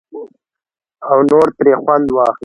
او نور ترې خوند واخلي.